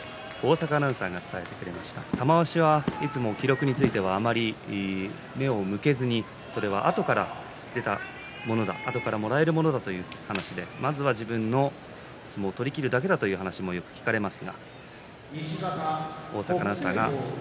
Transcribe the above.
玉鷲はいつも記録についてはあまり目を向けずにそれはあとからもらえるものだという話でまずは自分の相撲を取りきるだけだという話がよく聞かれます。